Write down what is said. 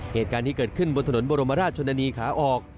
เหตุการณ์นี้เกิดขึ้นบนถนนบรมราชชนนานีขาออก